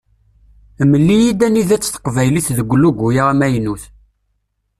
Mel-iyi-d anida-tt teqbaylit deg ulugu-a amaynut.